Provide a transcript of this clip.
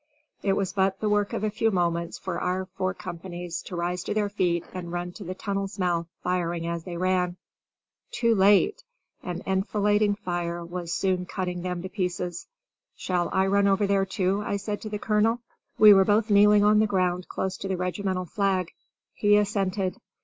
It was but the work of a few moments for four companies to rise to their feet and run to the tunnel's mouth, firing as they ran. Too late! an enfilading fire was soon cutting them to pieces. "Shall I run over there too?" I said to the colonel. We were both kneeling on the ground close to the regimental flag. He assented.